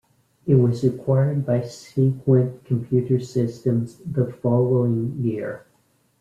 It was acquired by Sequent Computer Systems the following year.